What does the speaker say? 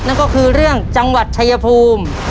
นั่นก็คือเรื่องจังหวัดชายภูมิ